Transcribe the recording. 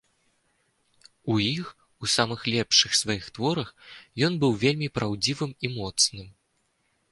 У іх, у самых лепшых сваіх творах, ён быў вельмі праўдзівым і моцным.